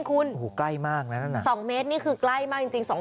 ไอ้คุณ๕๕๑ใกล้มากนะนะครับงเมษนี้คือกลไกลมาจริง